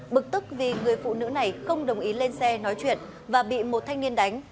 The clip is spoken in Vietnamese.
bực tức vì người phụ nữ này không đồng ý lên xe nói chuyện và bị một thanh niên đánh